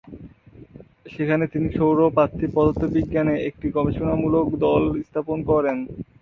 সেখানে তিনি সৌর-পার্থিব পদার্থবিজ্ঞানে একটি গবেষণামূলক দল স্থাপন করেন।